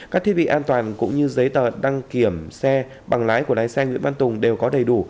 các thiết bị an toàn cũng như giấy tờ đăng kiểm xe bằng lái của lái xe nguyễn văn tùng đều có đầy đủ